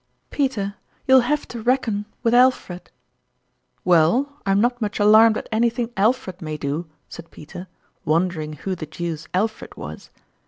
Peter, you will have to reckon with Alfred !"" Well, I'm not much alarmed at anything Alfred may do !" said Peter, wondering who the deuce Alfred was.